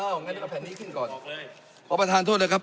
อยู่ตรงหลังเอ้างั้นแผ่นนี้ขึ้นก่อนขอประทานโทษเลยครับ